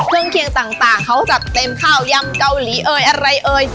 เครื่องเคียงต่างเขาจัดเต็มข้าวยำเกาหลีเอ่ยอะไรเอ่ย